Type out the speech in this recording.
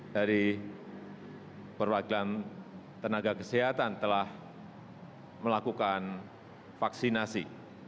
dari perwakilan tenaga kesehatan telah melakukan vaksinasi